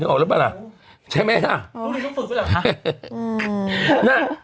ออกแล้วเปล่าล่ะใช่ไหมครับต้องฝึกกันหรอครับ